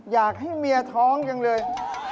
อยากให้เมียท้องจังเลย